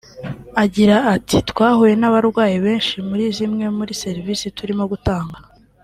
Agira ati “Twahuye n’abarwayi benshi muri zimwe muri serivisi turimo gutanga